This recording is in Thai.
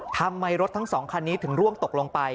ทำไมรถทั้งสองคันนี้ถึงร่วงตกลงไป